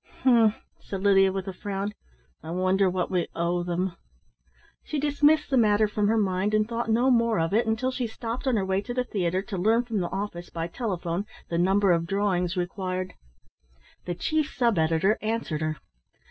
"H'm!" said Lydia with a frown. "I wonder what we owe them!" She dismissed the matter from her mind, and thought no more of it until she stopped on her way to the theatre to learn from the office by telephone the number of drawings required. The chief sub editor answered her.